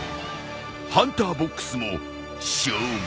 ハンターボックスも消滅。